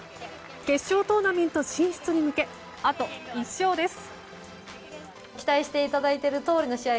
決勝トーナメント進出に向けあと１勝です。